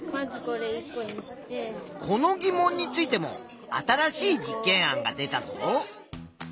この疑問についても新しい実験案が出たぞ。